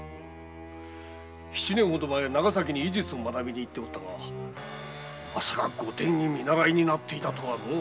七年ほど前長崎に医術を学びにいっておったがまさかご典医見習いになっていたとはのう。